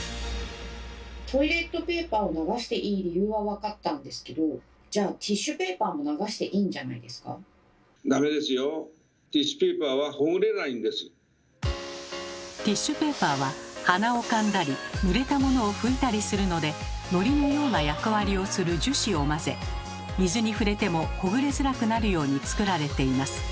トイレットペーパーを流していい理由は分かったんですけどじゃあティッシュペーパーははなをかんだりぬれたものを拭いたりするのでノリのような役割をする樹脂を混ぜ水に触れてもほぐれづらくなるようにつくられています。